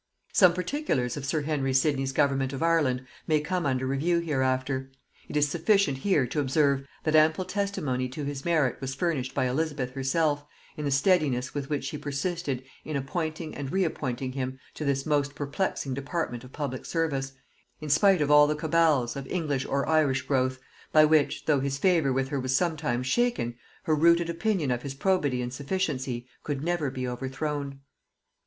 Some particulars of sir Henry Sidney's government of Ireland may come under review hereafter: it is sufficient here to observe, that ample testimony to his merit was furnished by Elizabeth herself, in the steadiness with which she persisted in appointing and re appointing him to this most perplexing department of public service, in spite of all the cabals, of English or Irish growth, by which, though his favor with her was sometimes shaken, her rooted opinion of his probity and sufficiency could never be overthrown.